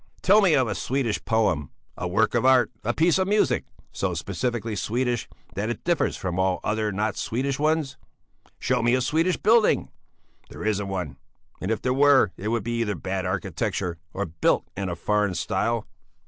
"Tell me of a Swedish poem, a work of art, a piece of music, so specifically Swedish that it differs from all other not Swedish ones! Show me a Swedish building! There isn't one, and if there were, it would either be bad architecture or built in a foreign style.